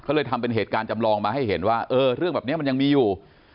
เลยทำเป็นเหตุการณ์จำลองมาให้เห็นว่าเออเรื่องแบบนี้มันยังมีอยู่